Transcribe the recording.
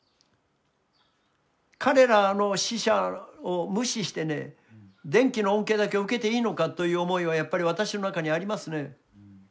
彼らの死者を無視して電気の恩恵だけを受けていいのかという思いはやっぱり私の中にありますね。